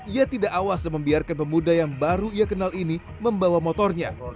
ia tidak awas dan membiarkan pemuda yang baru ia kenal ini membawa motornya